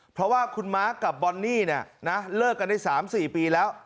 เพราะว่าคุณม้ากับบอนนี่เลิกกันได้๓๔ปีแล้ว